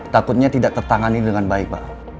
takutnya tidak tertangani dengan baik pak